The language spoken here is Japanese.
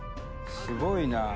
すごいな。